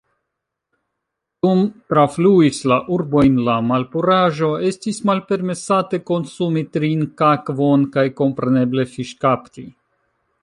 Dum trafluis la urbojn la malpuraĵo, estis malpermesate konsumi trinkakvon kaj kompreneble fiŝkapti.